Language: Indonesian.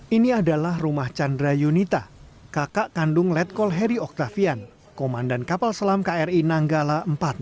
ini adalah rumah chandra yunita kakak kandung letkol heri oktavian komandan kapal selam kri nanggala empat ratus dua